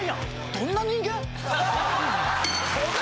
どんな人間？